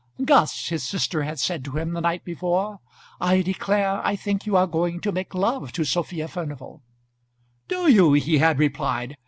"Gus," his sister had said to him the night before, "I declare I think you are going to make love to Sophia Furnival." "Do you?" he had replied.